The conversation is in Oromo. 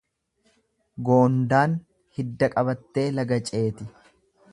Goondaan hidda qabattee laga ceeti.